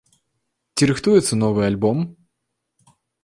Ці рыхтуецца новы альбом?